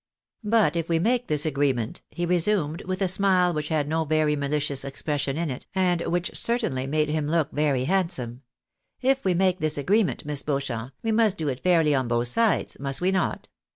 " But if we make this agreement," he resumed, with a smile which had no very mahcious expression in it, and which certainly made him look very handsome, —" if we make this agreement. Miss Beaucliamp, we must do it fairly on both sides, must we not